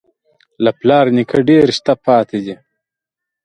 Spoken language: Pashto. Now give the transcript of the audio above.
له پلار نیکه ډېر شته پاتې دي.